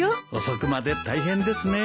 遅くまで大変ですね。